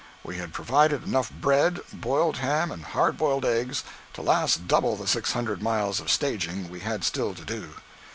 We had provided enough bread, boiled ham and hard boiled eggs to last double the six hundred miles of staging we had still to do.